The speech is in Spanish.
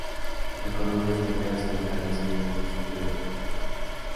La colonia Azteca se localiza en el municipio de Tuxpan.